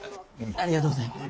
ありがとうございます。